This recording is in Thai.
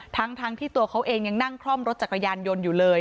ทั้งที่ตัวเขาเองยังนั่งคล่อมรถจักรยานยนต์อยู่เลย